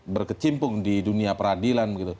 berkecimpung di dunia peradilan